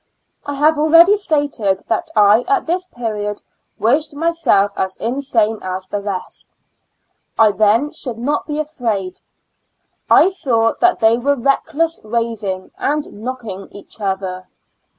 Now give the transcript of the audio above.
I have already stated that I at this period wished myself as insane as the rest ; I then should not be afraid. I saw that they were reckless, raving, and knocking each other.